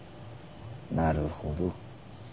なるほど。